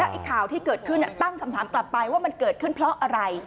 ไอ้ข่าวที่เกิดขึ้นตั้งคำถามกลับไปว่ามันเกิดขึ้นเพราะอะไร